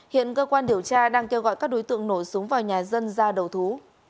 hiện cơ quan điều tra đang kêu gọi các đối tượng nổ súng vào nhà dân ra đầu thú